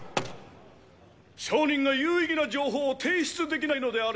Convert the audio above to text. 証人が有意義な情報を提出できないのであれば